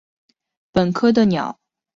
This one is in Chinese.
本科的鸟是晚成雏。